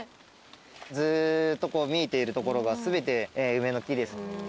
ずっと見えている所が全て梅の木です。